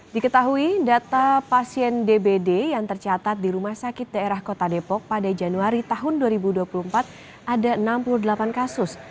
diketahui data pasien dbd yang tercatat di rumah sakit daerah kota depok pada januari tahun dua ribu dua puluh empat ada enam puluh delapan kasus